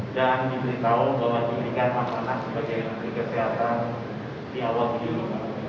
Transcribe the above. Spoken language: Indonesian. dan diberitahu bahwa diberikan makanan sebagai makhluk kesehatan di awal video